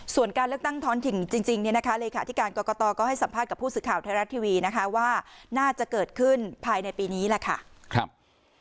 ส่วนการเลือกตั้งท้อนถิ่นจริงเนี่ยนะคะเลขาธิการกรกตก็ให้สัมภาษณ์กับผู้สื่อข่าวไทยรัฐทีวีนะคะว่าน่าจะเกิดขึ้นภายในปีนี้แหละค่ะ